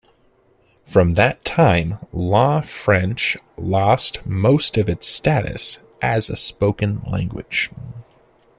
From that time, Law French lost most of its status as a spoken language.